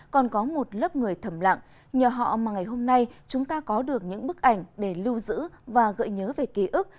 còn có một lớp người thầm lặng nhờ họ mà ngày hôm nay chúng ta có được những bức ảnh để lưu giữ và gợi nhớ về ký ức